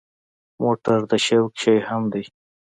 موټر د شوق شی هم دی.